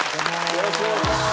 よろしくお願いします！